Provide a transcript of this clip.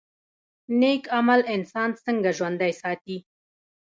نیک عمل انسان څنګه ژوندی ساتي؟